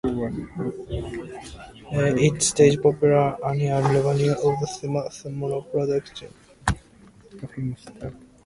It stages a popular annual revue and other smaller productions.